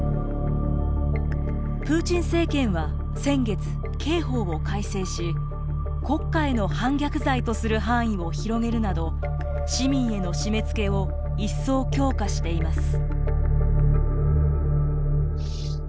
プーチン政権は先月刑法を改正し国家への反逆罪とする範囲を広げるなど市民への締めつけを一層強化しています。